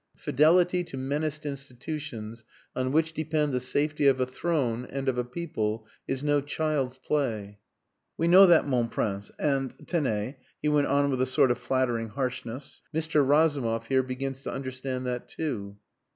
"Fidelity to menaced institutions on which depend the safety of a throne and of a people is no child's play. We know that, mon Prince, and tenez " he went on with a sort of flattering harshness, "Mr. Razumov here begins to understand that too."